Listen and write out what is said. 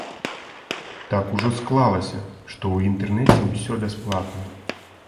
Так ужо склалася, што ў інтэрнэце ўсё бясплатна.